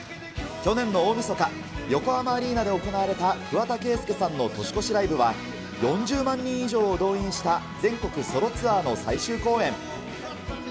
去年の大みそか、横浜アリーナで行われた桑田佳祐さんの年越しライブは、４０万人以上を動員した全国ソロツアーの最終公演。